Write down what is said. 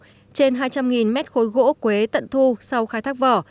trên hai trăm linh mét khối gỗ quế tận thu sau khai thác vỏ